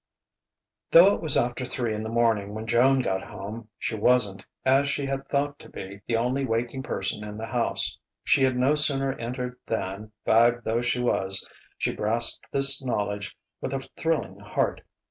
XIV Though it was after three in the morning when Joan got home, she wasn't, as she had thought to be, the only waking person in the house. She had no sooner entered than, fagged though she was, she grasped this knowledge with a thrilling heart.